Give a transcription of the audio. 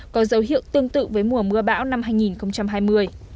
có dấu hiệu tương tự với mùa mưa bão năm hai nghìn hai mươi